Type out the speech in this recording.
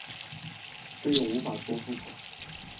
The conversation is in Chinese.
却又无法说出口